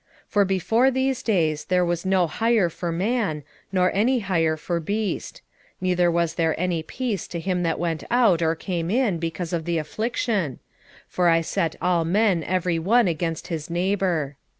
8:10 For before these days there was no hire for man, nor any hire for beast; neither was there any peace to him that went out or came in because of the affliction: for I set all men every one against his neighbour.